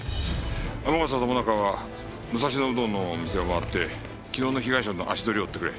天笠と萌奈佳は武蔵野うどんの店を回って昨日の被害者の足取りを追ってくれ。